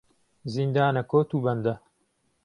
زیندانه کۆتوبهنده